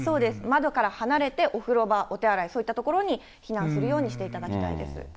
窓から離れてお風呂場、お手洗い、そういった所に避難するようにしていただきたいです。